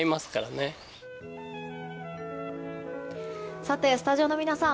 さて、スタジオの皆さん